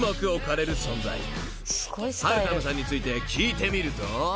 ［はるたむさんについて聞いてみると］